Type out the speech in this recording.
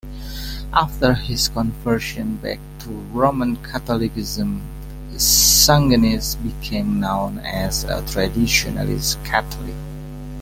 After his conversion back to Roman Catholicism, Sungenis became known as a Traditionalist Catholic.